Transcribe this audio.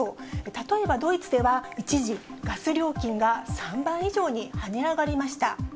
例えば、ドイツでは一時、ガス料金が３倍以上にはね上がりました。